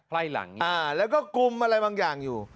ไล่หลังแล้วก็กุมอะไรบางอย่างอยู่